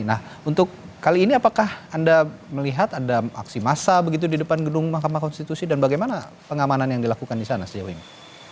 nah untuk kali ini apakah anda melihat ada aksi massa begitu di depan gedung mahkamah konstitusi dan bagaimana pengamanan yang dilakukan di sana sejauh ini